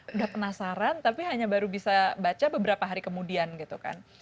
udah penasaran tapi hanya baru bisa baca beberapa hari kemudian gitu kan